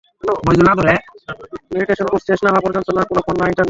Meditation course শেষ না হওয়া পর্যন্ত না কোন ফোন, না ইন্টারনেট।